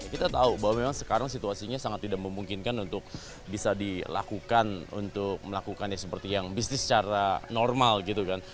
kita tahu bahwa memang sekarang situasinya sangat tidak memungkinkan untuk bisa dilakukan untuk melakukannya seperti yang bisnis secara normal gitu kan